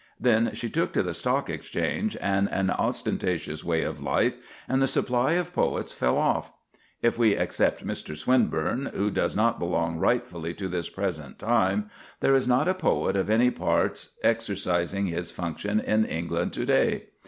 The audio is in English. Then she took to the Stock Exchange and an ostentatious way of life, and the supply of poets fell off. If we except Mr. Swinburne, who does not belong rightfully to this present time, there is not a poet of any parts exercising his function in England to day.